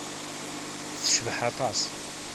Tecbeḥ aṭas.